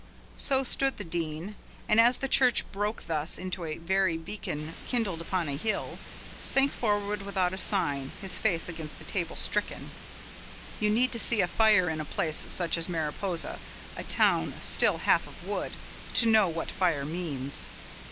So stood the Dean, and as the church broke thus into a very beacon kindled upon a hill, sank forward without a sign, his face against the table, stricken. You need to see a fire in a place such as Mariposa, a town still half of wood, to know what fire means.